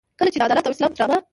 کله چې د عدالت او اسلام ډرامه.